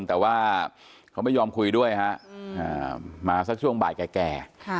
แต่ว่าเขาไม่ยอมคุยด้วยฮะมาสักช่วงบ่ายแก่